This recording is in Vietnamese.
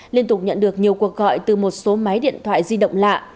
liên tục nhận được nhiều cuộc gọi từ một số máy điện thoại di động lạ